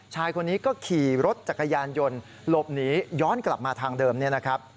ชายคนนี้ก็ขี่รถจักรยานยนต์หลบหนีย้อนกลับมาทางเดิมเนี่ยนะครับ